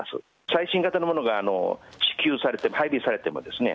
最新型のものが支給されて、配備されてますよね。